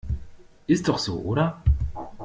Ist doch so, oder?